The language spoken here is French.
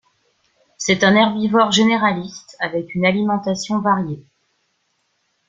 C'est un herbivore généraliste avec une alimentation variée.